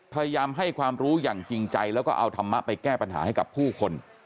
พยายามให้ความรู้อย่างจริงใจแล้วก็เอาธรรมะไปแก้ปัญหาให้กับผู้คน